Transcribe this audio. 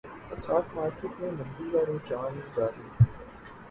stock market میں مندی کا رجحان جاری